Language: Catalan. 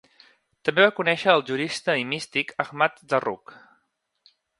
També va conèixer al jurista i místic Ahmad Zarruq.